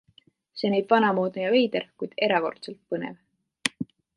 See näib vanamoodne ja veider, kuid erakordselt põnev!